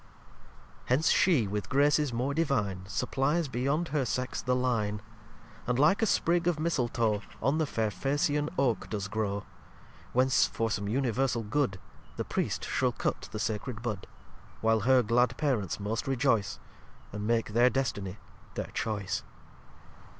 xciii Hence She with Graces more divine Supplies beyond her Sex the Line; And, like a sprig of Misleto, On the Fairfacian Oak does grow; Whence, for some universal good, The Priest shall cut the sacred Bud; While her glad Parents most rejoice, And make their Destiny their Choice.